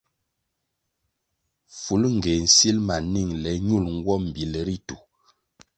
Fulngéh nsil ma ningle ñul nwo mbíl ritu.